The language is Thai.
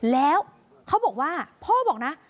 แล้วเขาบอกว่าพ่อบอกนะ